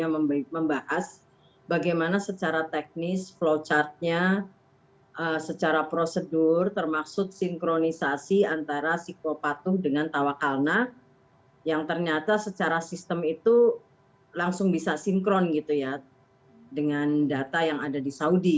jadi sebelumnya membahas bagaimana secara teknis flowchart nya secara prosedur termaksud sinkronisasi antara psikopatuh dengan tawakalna yang ternyata secara sistem itu langsung bisa sinkron gitu ya dengan data yang ada di saudi